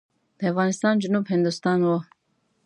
د افغانستان جنوب هندوستان و.